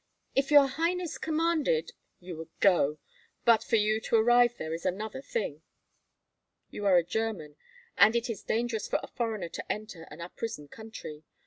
"If your highness commanded " "You would go; but for you to arrive there is another thing. You are a German, and it is dangerous for a foreigner to enter an uprisen country.